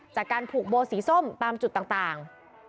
จากการผูกโบสีส้มตามจุดต่าง